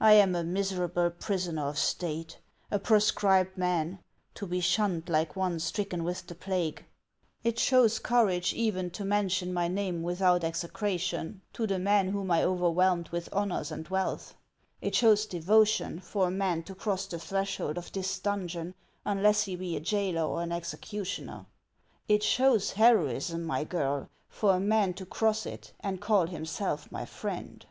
I am a miserable prisoner of State, a proscribed man, to be shunned like one stricken with the plague. It showrs courage even to mention my name without HAXS OF ICELAND. 411 execration to the men whom I overwhelmed with honors and wrealth , it shows devotion for a man to cross the threshold of this dungeon unless he be a jailer or an executioner ; it shows heroism, my girl, for a man to cross it and call himself my friend.